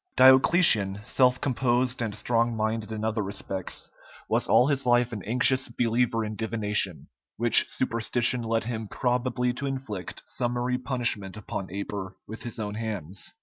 Diocletian, self composed and strong minded in other respects, was all his life an anxious believer in divination, which superstition led him probably to inflict summary punishment upon Aper with his own hands.